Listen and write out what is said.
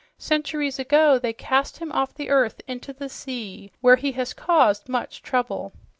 Centuries ago they cast him off the earth into the sea, where he has caused much trouble.